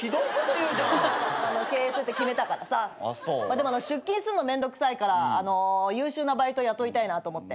でも出勤すんのめんどくさいから優秀なバイト雇いたいなと思って。